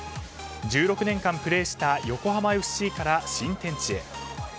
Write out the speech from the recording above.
１６年間プレーした横浜ＦＣから新天地へ。